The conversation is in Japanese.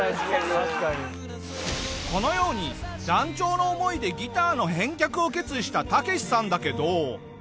このように断腸の思いでギターの返却を決意したタケシさんだけど。